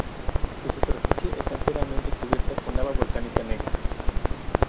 Su superficie está enteramente cubierta con lava volcánica negra.